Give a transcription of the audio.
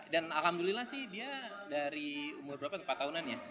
dan alhamdulillah sih dia dari umur berapa empat tahunan ya